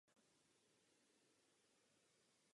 Borka kmene je stříbřitě šedá.